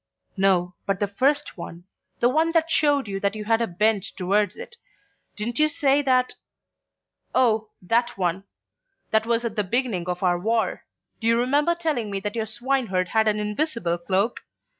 "No, but the first one; the one that showed you that you had a bent towards it. Didn't you say that " "Oh, that one. That was at the beginning of our war. Do you remember telling me that your swineherd had an invisible cloak?